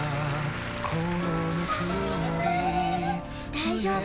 大丈夫。